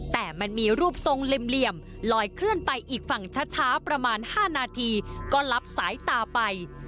แต่มันมีรูปทรงเหลี่ยมลอยเคลื่อนไปอีกฝั่งช้าประมาณ๕นาทีก็รับสายตาไป